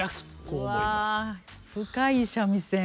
うわ深い三味線。